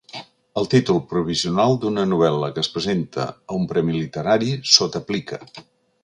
El títol provisional d'una novel·la que es presenta a un premi literari sota plica.